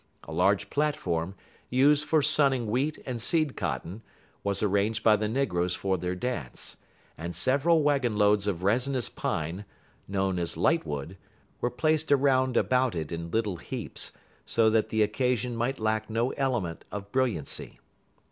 A large platform, used for sunning wheat and seed cotton, was arranged by the negroes for their dance, and several wagon loads of resinous pine known as lightwood were placed around about it in little heaps, so that the occasion might lack no element of brilliancy.